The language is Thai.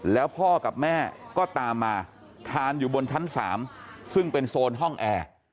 แล้วพ่อกับแม่ก็ตามมาทานอยู่บนชั้น๓ซึ่งเป็นโซนห้องแอร์